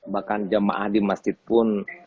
bahkan jamaah di masjid pun